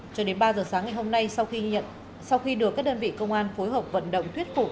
cho đến ba giờ sáng ngày hôm nay sau khi được các đơn vị công an phối hợp vận động thuyết phụ